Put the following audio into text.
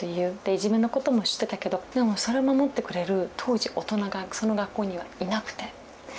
いじめのことも知ってたけどでもそれ守ってくれる当時大人がその学校にはいなくて。